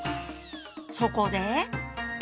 そこで。